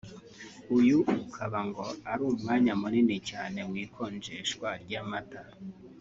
uyu ukaba ngo ari umwanya munini cyane mu ikonjeshwa ry’amata